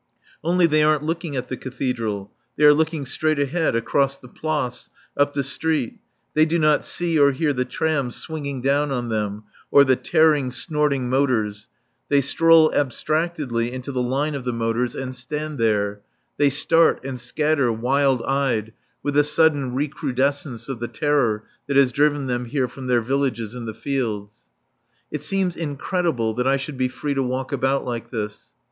Only they aren't looking at the Cathedral. They are looking straight ahead, across the Place, up the street; they do not see or hear the trams swinging down on them, or the tearing, snorting motors; they stroll abstractedly into the line of the motors and stand there; they start and scatter, wild eyed, with a sudden recrudescence of the terror that has driven them here from their villages in the fields. It seems incredible that I should be free to walk about like this.